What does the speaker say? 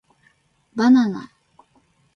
ばなな